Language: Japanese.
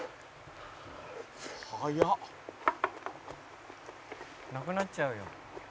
「早っ」「なくなっちゃうよ」